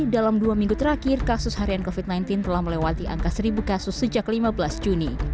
dalam dua minggu terakhir kasus harian covid sembilan belas telah melewati angka satu kasus sejak lima belas juni